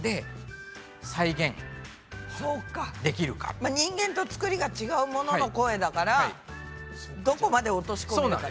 例えば人間とつくりが違うものの声だからどこまで落とし込めるか。